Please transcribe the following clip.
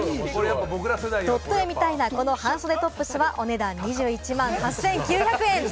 ドット絵みたいな、この半袖トップスはお値段２１万８９００円。